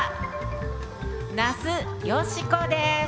那須善子です。